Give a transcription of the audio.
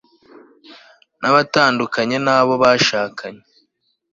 na batandukanye n'abo bashakanye